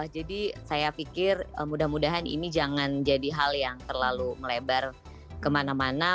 saya pikir mudah mudahan ini jangan jadi hal yang terlalu melebar kemana mana